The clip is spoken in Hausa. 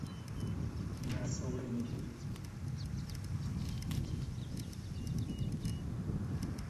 Ina sauran ya ke?